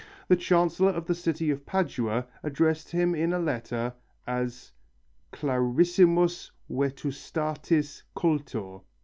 The Chancellor of the city of Padua addressed him in a letter as "clarissimus vetustatis cultor."